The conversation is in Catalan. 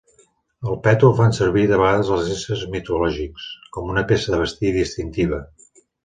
El peto el fan servir de vegades els éssers mitològics com una peça de vestir distintiva.